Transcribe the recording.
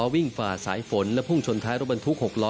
ฝ่าสายฝนและพุ่งชนท้ายรถบรรทุก๖ล้อ